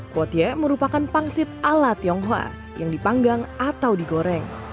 kuotie merupakan pangsit ala tionghoa yang dipanggang atau digoreng